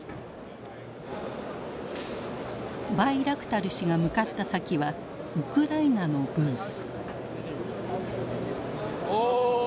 バイラクタル氏が向かった先はウクライナのブース。